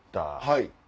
はい。